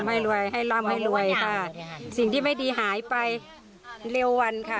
ไม่รวยให้ร่ำให้รวยค่ะสิ่งที่ไม่ดีหายไปเร็ววันค่ะ